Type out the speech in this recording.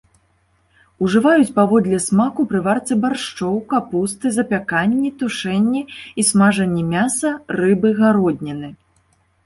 Ужываюць паводле смаку пры варцы баршчоў, капусты, запяканні, тушэнні і смажанні мяса, рыбы, гародніны.